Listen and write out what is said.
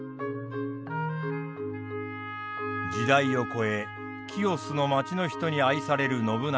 時代をこえ清須の町の人に愛される信長。